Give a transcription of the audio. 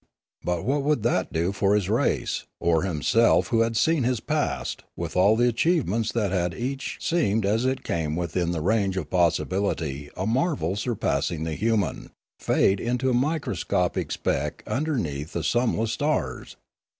But what would that do for his race, or himself who had seen his past, with all the achievements that had each seemed as it came within the range of possibility a marvel surpassing the human, fade into a microscopic speck underneath the sumless stars